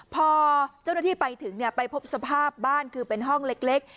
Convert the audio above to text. พอเจ้าหน้าที่ไปถึงไปพบสภาพบ้านคือเป็นห้องเล็ก